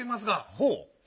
ほう。